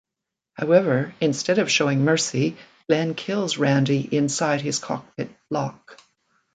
However, instead of showing mercy, Glen kills Randy inside his cockpit block.